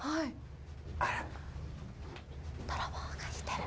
あら。